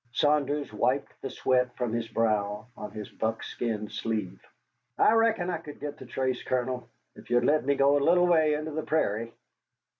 Saunders wiped the sweat from his brow on his buckskin sleeve. "I reckon I could get the trace, Colonel, if you'd let me go a little way into the prairie."